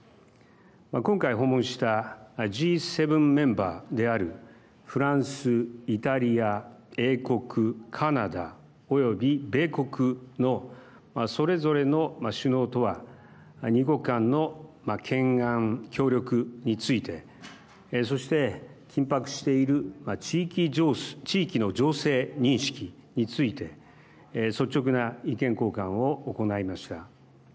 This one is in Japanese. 今回訪問したＧ７メンバーであるフランス、イタリア、英国カナダ及び米国のそれぞれの首脳とは２か国間の懸案、協力についてそして緊迫している地域の情勢認識について率直な意見交換を行いました。